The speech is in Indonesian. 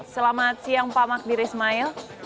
selamat siang pak magdir ismail